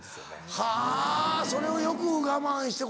はぁそれをよく我慢して。